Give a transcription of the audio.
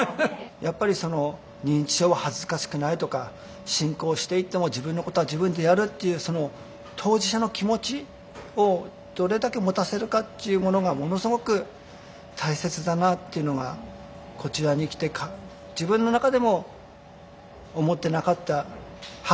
やっぱり認知症は恥ずかしくないとか進行していっても自分のことは自分でやるっていうその当事者の気持ちをどれだけ持たせるかっていうものがものすごく大切だなっていうのがこちらに来て自分の中でも思ってなかった発見だったと思います。